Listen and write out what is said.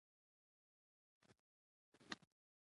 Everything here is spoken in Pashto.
فاریاب د افغانستان د شنو سیمو ښکلا ده.